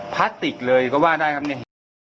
พลาสติกเลยก็ว่าได้ครับเนี่ย